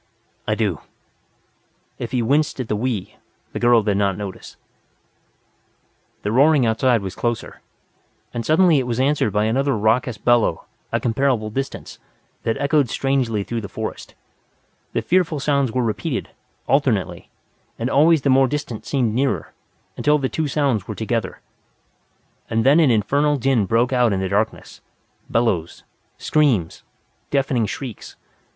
"I do." If he winced at the "we" the girl did not notice. The roaring outside was closer. And suddenly it was answered by another raucous bellow, at considerable distance, that echoed strangely through the forest. The fearful sounds were repeated, alternately. And always the more distant seemed nearer, until the two sounds were together. And then an infernal din broke out in the darkness. Bellows. Screams. Deafening shrieks.